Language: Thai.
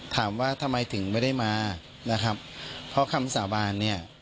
ถามว่าทำไมถึงไม่ได้มานะครับเพราะคำสาบานเนี่ย